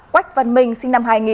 quách văn minh sinh năm hai nghìn